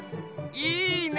いいね！